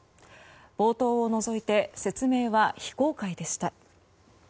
冒頭を除いて説明は非公開でした。